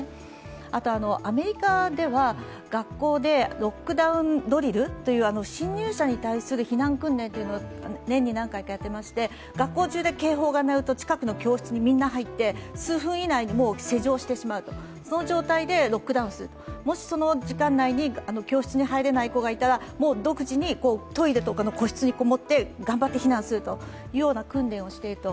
あと、アメリカでは学校でロックダウンドリルという侵入者に対する避難訓練というのが年に何回かやっていまして学校中で警報が鳴ると近くの教室にみんな入って数分以内に施錠してしまうとその状態でロックダウンする、もしその時間内に教室に入れない子がいたら、独自にトイレなどの個室にこもって頑張って避難するというような訓練をしていると。